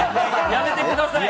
やめてください。